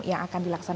yang akan dilakukan